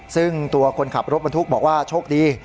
ซึ่งตัวคนขับรถบรรทุกบอกว่าโชคดี